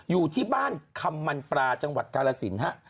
อยู่ที่บ้านคำมันปราจังหวัดกาลสินฮะ